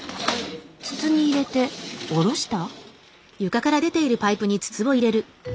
筒に入れて下ろした？